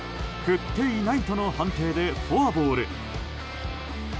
振っていないとの判定でフォアボール。